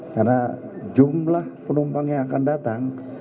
karena jumlah penumpang yang akan datang